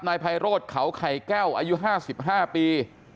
นายไพโรธเขาไข่แก้วอายุ๕๕ปี